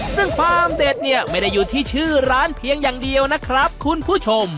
ซึ่งความเด็ดเนี่ยไม่ได้อยู่ที่ชื่อร้านเพียงอย่างเดียวนะครับคุณผู้ชม